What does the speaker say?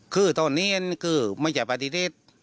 คือตอนนี้คือไม่สนับปฏิภัทธิ์